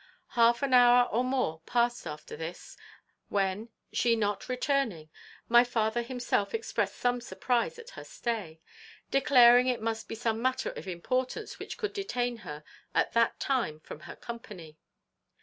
Half an hour or more past after this, when, she not returning, my father himself expressed some surprize at her stay; declaring it must be some matter of importance which could detain her at that time from her company.